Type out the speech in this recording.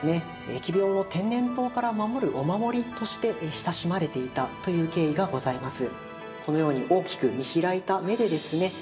疫病の天然痘から守るお守りとして親しまれていたという経緯がございます。